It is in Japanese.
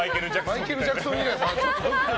マイケル・ジャクソン以来です。